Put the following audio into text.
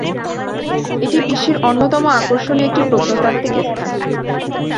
এটি বিশ্বের অন্যতম আকর্ষণীয় একটি প্রত্নতাত্ত্বিক স্থান।